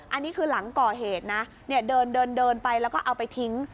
อันนี้คือหลังก่อเหตุนะเดินไปแล้วก็เอาไปทิ้ง